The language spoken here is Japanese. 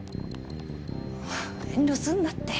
遠慮するなって。